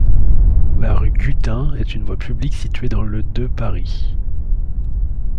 La rue Guttin est une voie publique située dans le de Paris.